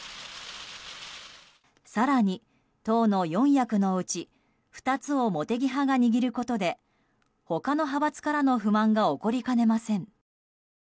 更に、党の４役のうち２つを茂木派が握ることで他の派閥からの不満が起こりかねません。